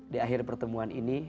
di akhir pertemuan ini